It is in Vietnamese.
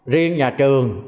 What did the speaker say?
riêng nhà trường